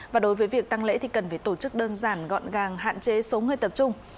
và đối với việc tăng lễ thì cần phải tổ chức đơn giản gọn gàng hạn chế số người tập trung